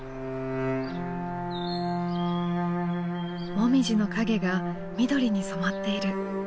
もみじの影が緑に染まっている。